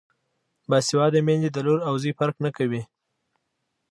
باسواده میندې د لور او زوی فرق نه کوي.